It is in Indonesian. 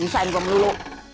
usahain gua mulu